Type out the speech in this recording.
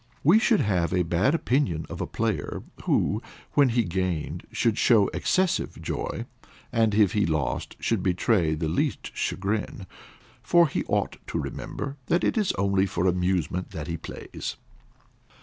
We should have a bad opinion of a player who, when he gained, should show excessive joy, and if he lost, should betray the least chagrin; for he ought to remember that it is only for amusement that he plays.